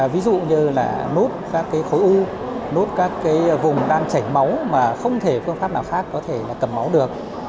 ví dụ như là nốt các khối u nốt các vùng đang chảy máu mà không thể phương pháp nào khác có thể là cầm máu được